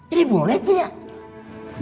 ini boleh tidak